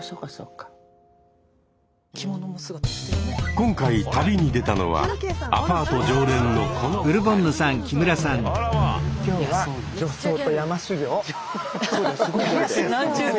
今回旅に出たのはアパート常連のこの２人。